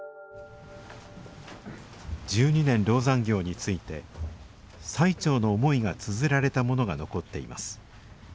十二年籠山行について最澄の思いがつづられたものが残っています